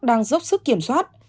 đang dốc sức kiểm soát